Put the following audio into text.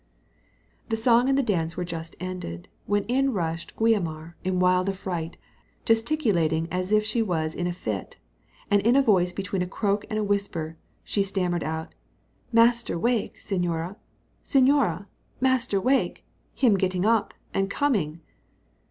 The song and the dance were just ended, when in rushed Guiomar in wild affright, gesticulating as if she was in a fit, and in a voice between a croak and a whisper, she stammered out, "Master wake, señora; señora, master wake: him getting up, and coming."